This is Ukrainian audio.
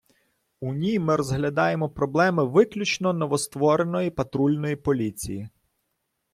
У ній ми розглядаємо проблеми виключно новоствореної Патрульної поліції.